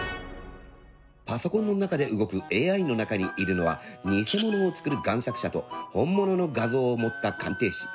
パソコンの中で動くＡＩの中にいるのはニセ物を作るがん作者と本物の画像を持った鑑定士。